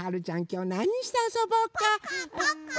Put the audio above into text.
きょうなにしてあそぼうか？